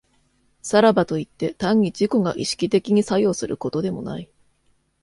さらばといって、単に自己が意識的に作用することでもない。